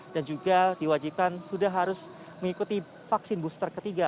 dan juga diwajibkan sudah harus mengikuti vaksin booster ketiga